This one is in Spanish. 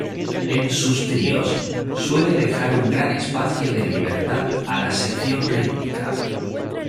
En sus tríos, suele dejar un gran espacio de libertad a la sección rítmica.